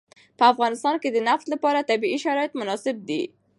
په افغانستان کې د نفت لپاره طبیعي شرایط مناسب دي.